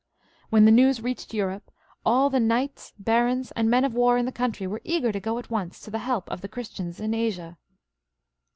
When the news reached Europe, all the knights, barons, and men of war in the country were eager to go at once to the help of the Christians in Asia.